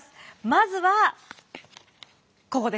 まずはここですね。